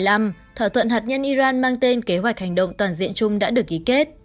năm hai nghìn một mươi năm thỏa thuận hạt nhân iran mang tên kế hoạch hành động toàn diện chung đã được ký kết